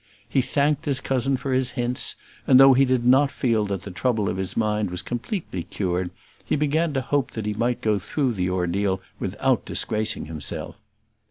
He thanked his cousin for his hints, and though he did not feel that the trouble of his mind was completely cured, he began to hope that he might go through the ordeal without disgracing himself.